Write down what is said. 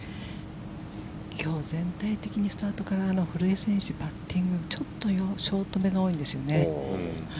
今日は全体的にスタートからの古江選手、パッティングちょっとショートめが多いんですよね。